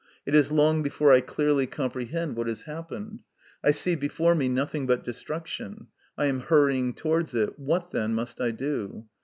It is long before I clearly comprehend what has happened. I see before me nothing but des truction. I am hurrying towards it ; what, then, must I do